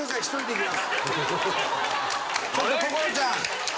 ちょっと心愛ちゃん。